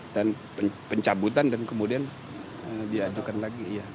dan pencabutan dan kemudian diajukan lagi ya